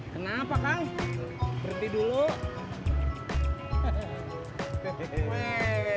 kenapa kang berhenti dulu